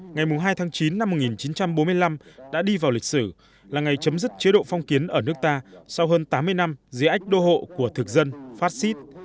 ngày hai tháng chín năm một nghìn chín trăm bốn mươi năm đã đi vào lịch sử là ngày chấm dứt chế độ phong kiến ở nước ta sau hơn tám mươi năm dưới ách đô hộ của thực dân phát xít